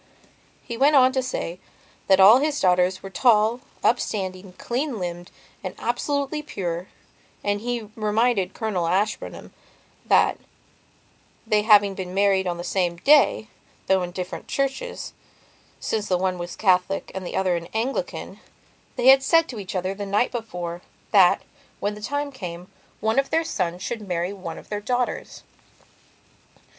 He went on to say that all his daughters were tall, upstanding, clean limbed and absolutely pure, and he reminded Colonel Ashburnham that, they having been married on the same day, though in different churches, since the one was a Catholic and the other an Anglicanthey had said to each other, the night before, that, when the time came, one of their sons should marry one of their daughters.